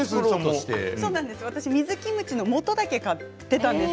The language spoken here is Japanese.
私、水キムチのもとだけ買っていたんです。